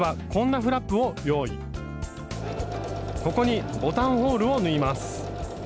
ここにボタンホールを縫います。